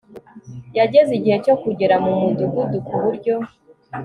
yageze igihe cyo kugera mu mudugudu ku buryo